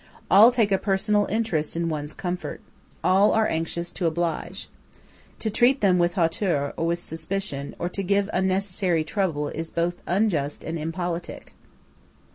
All take a personal interest in one's comfort. All are anxious to oblige. To treat them with hauteur, or with suspicion, or to give unnecessary trouble, is both unjust and impolitic.